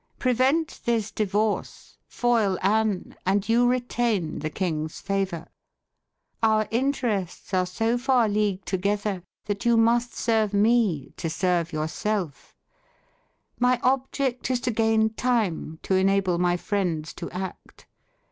Prevent this divorce foil Anne and you retain the king's favour. Our interests are so far leagued together, that you must serve me to serve yourself. My object is to gain time to enable my friends to act.